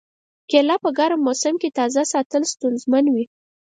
کېله په ګرم موسم کې تازه ساتل ستونزمن وي.